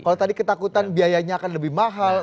kalau tadi ketakutan biayanya akan lebih mahal